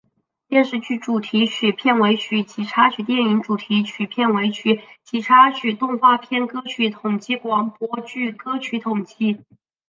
电视剧主题曲片尾曲及插曲电影主题曲片尾曲及插曲动画片歌曲统计广播剧歌曲统计